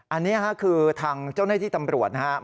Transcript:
อันนี้คือทางเจ้าหน้าที่ตำรวจนะครับ